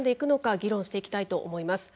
議論していきたいと思います。